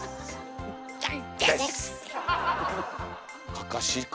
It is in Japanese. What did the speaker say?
かかしか。